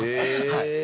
はい。